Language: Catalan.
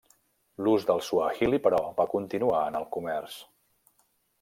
L'ús del suahili però, va continuar en el comerç.